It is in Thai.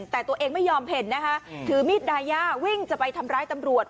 แต่ตัวเองไม่ยอมเห็นนะคะถือมีดดายาวิ่งจะไปทำร้ายตำรวจ